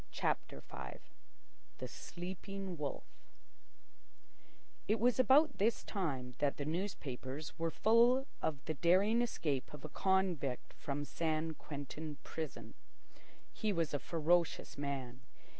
CHAPTER V THE SLEEPING WOLF It was about this time that the newspapers were full of the daring escape of a convict from San Quentin prison. He was a ferocious man.